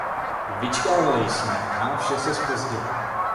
Vyčkávali jsme a vše se zpozdilo.